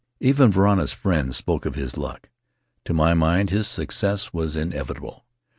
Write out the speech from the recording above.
"Even Varana's friends spoke of his luck; to my mind his success was inevitable.